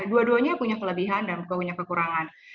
dua duanya punya kelebihan dan punya kekurangan